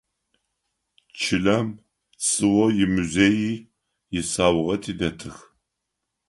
Чылэм Цыгъо имузеий исаугъэти дэтых.